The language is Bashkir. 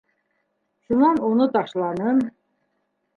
Шунан уны ташланым...